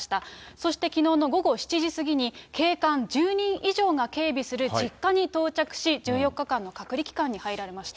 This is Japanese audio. そして、きのうの午後７時過ぎに、警官１０人以上が警備する実家に到着し、１４日間の隔離期間に入られました。